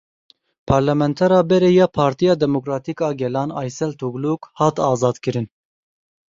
Parlamentera berê ya Partiya Demokratîk a Gelan Aysel Tugluk hat azadkirin.